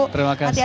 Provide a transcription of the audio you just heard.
terima kasih ibu